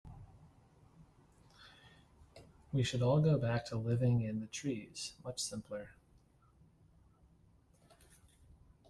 We should all go back to living in the trees, much simpler.